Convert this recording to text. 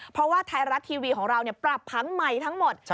เพราะว่าไทยรัฐทีวีของเราปรับผังใหม่ทั้งหมด